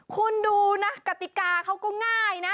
คุณดูนะกติกาเขาก็ง่ายนะ